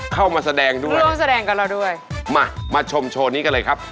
เข้ามาแสดงด้วยนะครับมามาชมโชว์นี้กันเลยครับ